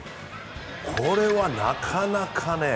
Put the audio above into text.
これは、なかなかね。